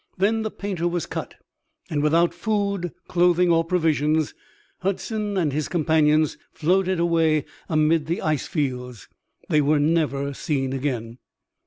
Then the painter was cut, and without food, clothing or provisions, Hudson and his companions floated away amid the ice fields. They were never seen again.